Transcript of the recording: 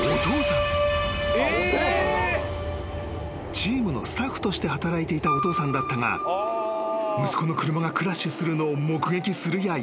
［チームのスタッフとして働いていたお父さんだったが息子の車がクラッシュするのを目撃するやいなや］